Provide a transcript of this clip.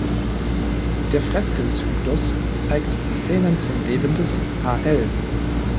Der Freskenzyklus zeigt Szenen zum Leben des hl.